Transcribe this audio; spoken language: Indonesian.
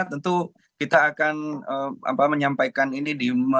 tentu kita akan menyampaikan ini di